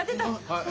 はい。